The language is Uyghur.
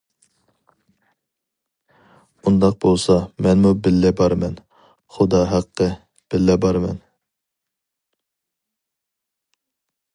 ئۇنداق بولسا مەنمۇ بىللە بارىمەن، خۇدا ھەققى، بىللە بارىمەن!